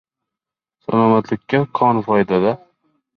Salomatlikka koni foyda